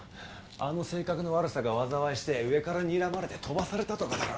あの性格の悪さが災いして上からにらまれて飛ばされたとかだろ。